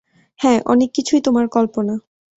হ্যাঁ, অনেক কিছুই তোমার কল্পনা।